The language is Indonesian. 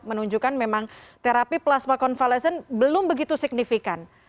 menunjukkan memang terapi plasma konvalesen belum begitu signifikan